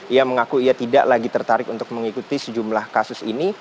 ia mengaku ia tidak lagi tertarik untuk mengikuti sejumlah kasus ini